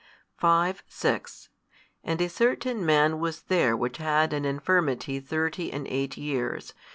5, 6 And a certain man was there which had an infirmity thirty and eight years.